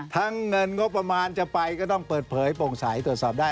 เงินงบประมาณจะไปก็ต้องเปิดเผยโปร่งใสตรวจสอบได้